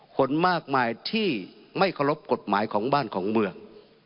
คนมากมายที่ไม่เคารพกฎหมายของบ้านของเมือง